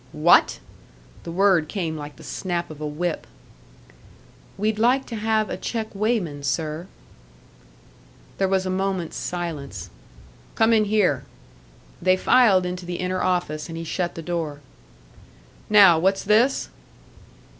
"What?" The word came like the snap of a whip. "We'd like to have a check weighman, sir." There was a moment's silence. "Come in here." They filed into the inner office, and he shut the door. "Now. What's this?"